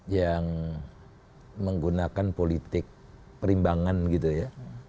yang menggunakan politik perimbangan gitu ya